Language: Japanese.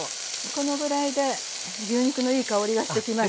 このぐらいで牛肉のいい香りがしてきましたね。